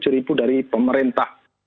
rp tujuh dari pemerintah